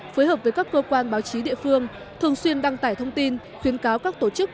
phối hợp với các cơ quan báo chí địa phương thường xuyên đăng tải thông tin khuyến cáo các tổ chức